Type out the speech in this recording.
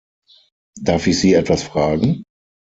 Darf ich Sie etwas fragen?